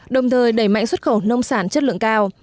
đồng thời đẩy mạnh xuất khẩu nông sản chất lượng cao